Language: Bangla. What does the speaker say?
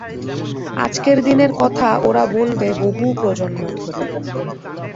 আজকের দিনের কথা ওরা বলবে বহু প্রজন্ম ধরে।